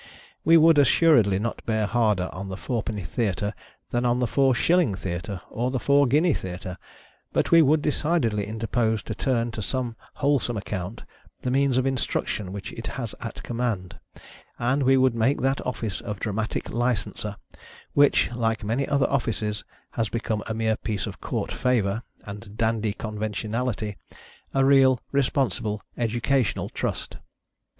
We would assuredly not bear harder on the four penny theatre than on the four shilling theatre, or the four guinea theatre ; but we would decidedly interpose to turn to some wholesome account the means of instruction which it has at command, and we would make that office of Dra matic Licenser, which, like many other offices, has become a mere piece of Court favor and dandy conventionality, a real, responsible, educational trust.